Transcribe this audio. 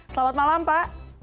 selamat malam pak